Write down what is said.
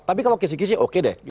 tapi kalau kisi kisi oke deh